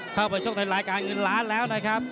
เข้าไปชกในรายการเงินล้านแล้วนะครับ